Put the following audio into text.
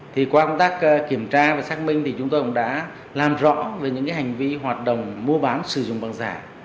thì qua công tác kiểm tra và xác minh thì chúng tôi cũng đã làm rõ về những hành vi hoạt động mua bán sử dụng bằng giả